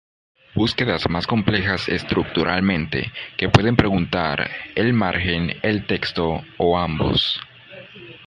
Búsquedas más complejas estructuralmente, que pueden preguntar el margen, el texto, o ambos.